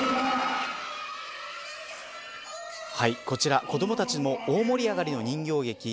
こちら、子どもたちも大盛り上がりの人形劇。